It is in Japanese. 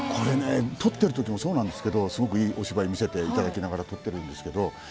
撮ってるときもそうなんですけどすごくいいお芝居を見せながら撮っているんですけど